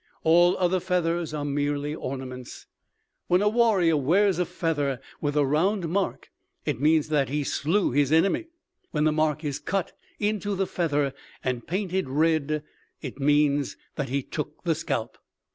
All other feathers are merely ornaments. When a warrior wears a feather with a round mark, it means that he slew his enemy. When the mark is cut into the feather and painted red, it means that he took the scalp.